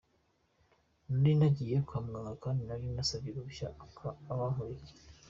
Nari nagiye kwa muganga kandi nari nasabye uruhushya abankuriye.